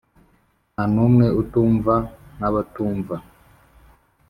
nta numwe utumva nkabatumva